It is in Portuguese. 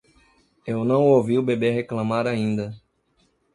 Eu não ouvi o bebê reclamar ainda.